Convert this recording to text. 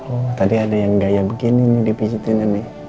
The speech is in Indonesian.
oh tadi ada yang gaya begini dipicitinnya nih